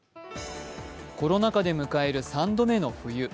コロナ禍で迎える３度目の冬。